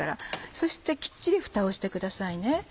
そしてきっちりフタをしてくださいね。